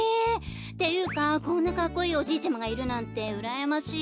ていうかこんなかっこいいおじいちゃまがいるなんてうらやましい。